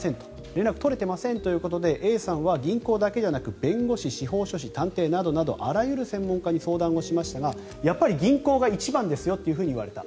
連絡が取れてませんということでＡさんは銀行だけじゃなく弁護士、司法書士、探偵などなどあらゆる専門家に相談をしましたがやっぱり銀行が一番ですよと言われた。